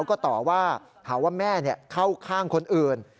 ก็ต่อว่าหาว่าแม่เข้าข้างคนอื่น